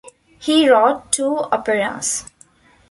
He wrote two operas.